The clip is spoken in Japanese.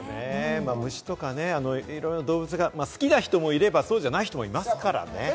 虫とか、いろいろ動物が好きな人もいれば、そうじゃない人もいますからね。